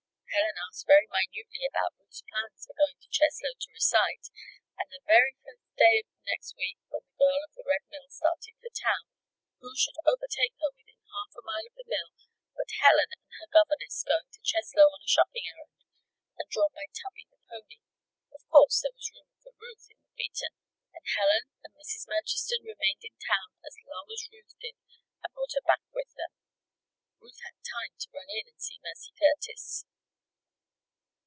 Helen asked very minutely about Ruth's plans for going to Cheslow to recite, and the very first day of the next week, when the girl of the Red Mill started for town, who should overtake her within half a mile of the mill, but Helen and her governess going to Cheslow on a shopping errand, and drawn by Tubby, the pony. Of course, there was room for Ruth in the phaeton, and Helen and Mrs. Murchiston remained in town as long as Ruth did and brought her back with them. Ruth had time to run in and see Mercy Curtis.